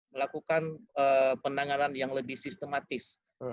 melakukan penanganan yang lebih sistematis